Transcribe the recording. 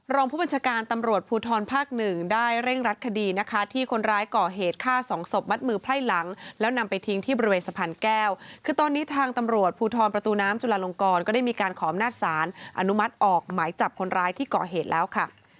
รองผู้บัญชาการตำรวจภูทรภาคหนึ่งได้เร่งรัดคดีนะคะที่คนร้ายก่อเหตุฆ่าสองศพมัดมือไพร่หลังแล้วนำไปทิ้งที่บริเวณสะพานแก้วคือตอนนี้ทางตำรวจภูทรประตูน้ำจุลาลงกรก็ได้มีการขออำนาจศาลอนุมัติออกหมายจับคนร้ายที่ก่อเหตุแล้วค่ะ